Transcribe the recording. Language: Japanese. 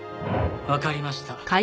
わかりました。